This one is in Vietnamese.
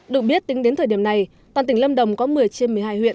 được biết tính đến thời điểm này toàn tỉnh lâm đồng có một mươi trên một mươi hai huyện